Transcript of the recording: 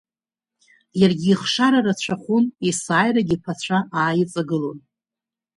Иаргьы ихшара рацәахон, есааирагьы иԥацәа ааиҵагылон.